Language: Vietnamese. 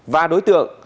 và đối tượng